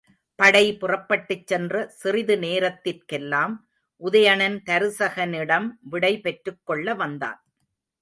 படை புறப்பட்டுச் சென்ற சிறிது நேரத்திற்கெல்லாம் உதயணன் தருசகனிடம் விடை பெற்றுக்கொள்ள வந்தான்.